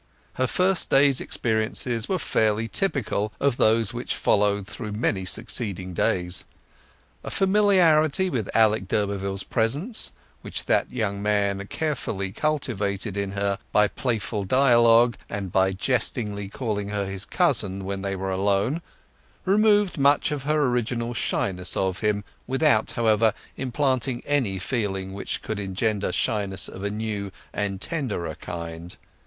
Her first day's experiences were fairly typical of those which followed through many succeeding days. A familiarity with Alec d'Urberville's presence—which that young man carefully cultivated in her by playful dialogue, and by jestingly calling her his cousin when they were alone—removed much of her original shyness of him, without, however, implanting any feeling which could engender shyness of a new and tenderer kind.